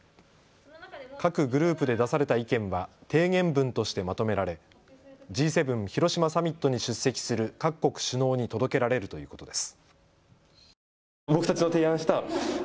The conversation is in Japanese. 各グループで出された意見は提言文としてまとめられＧ７広島サミットに出席する各国首脳に届けられるということです。